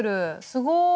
すごい！